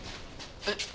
えっ？